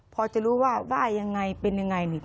พอจะรู้ว่าว่ายังไงเป็นยังไงนี่